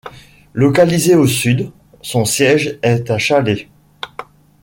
Localisé au sud, son siège est à Chalais.